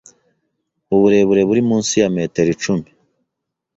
Uburebure buri munsi ya metero cumi